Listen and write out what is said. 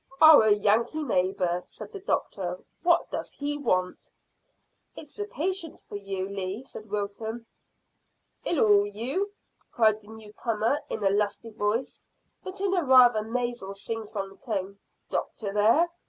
"Our Yankee neighbour," said the doctor. "What does he want?" "It's a patient for you, Lee," said Wilton. "Hillo, you!" cried the newcomer, in a lusty voice, but in rather a nasal sing song tone. "Doctor there?"